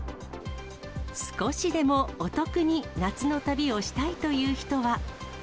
少しでもお得に、夏の旅をしたいという人は。